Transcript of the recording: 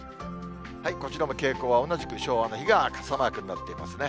こちらも傾向は同じく、昭和の日が傘マークになっていますね。